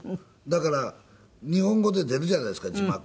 だから日本語で出るじゃないですか字幕。